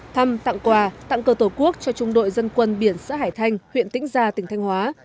thăm tặng quà tặng cơ tổ quốc cho trung đội dân quân biển xã hải thanh huyện tĩnh gia tỉnh thanh hóa